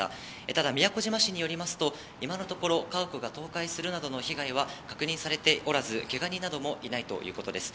ただ、宮古島市によりますと、今のところ、家屋が倒壊するなどの被害は確認されておらず、けが人などもいないということです。